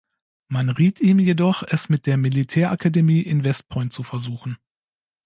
Man riet ihm jedoch, es mit der Militärakademie in West Point zu versuchen.